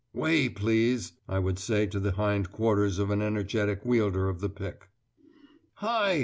"Way, please," I would say to the hindquarters of an energetic wielder of the pick. "Hi!